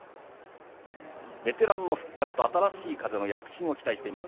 ベテランの復活と新しい風の躍進を期待しています。